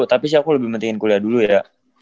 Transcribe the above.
tapi sih aku lebih pentingin kuliah dulu ya